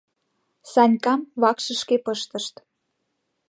Санькам вакшышке пыштышт.